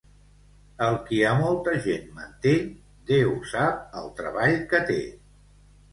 El qui a molta gent manté, Déu sap el treball que té.